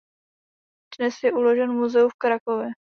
Dnes je uložen v muzeu v Krakově.